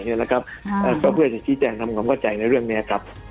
และก็เพื่อในนี่แค่นั่งทำความเข้าใจเรื่องเนี่ยครับ